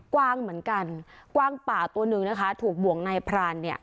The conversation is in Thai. กว้างเหมือนกันกว้างป่าตัวหนึ่งนะคะถูกบ่วงนายพรานเนี่ย